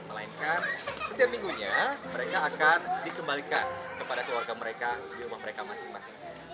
melainkan setiap minggunya mereka akan dikembalikan kepada keluarga mereka di rumah mereka masing masing